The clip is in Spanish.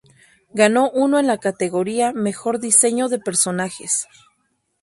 Ganó uno en la categoría Mejor diseño de personajes.